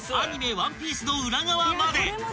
『ワンピース』の裏側まで］